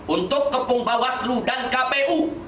untuk kepung bawah selu dan kpu